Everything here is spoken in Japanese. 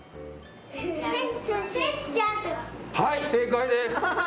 はい、正解です！